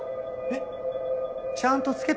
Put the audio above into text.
えっ？